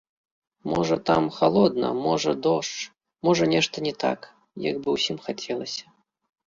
Можа там халодна, можа дождж, можа нешта не так, як бы ўсім хацелася.